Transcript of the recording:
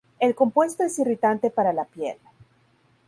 El compuesto es irritante para la piel.